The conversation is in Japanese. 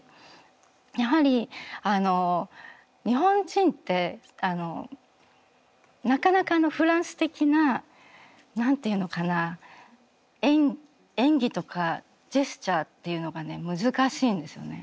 やはり日本人ってなかなかフランス的な何て言うのかな演技とかジェスチャーっていうのが難しいんですよね。